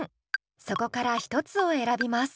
そこから一つを選びます。